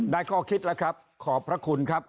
ข้อคิดแล้วครับขอบพระคุณครับ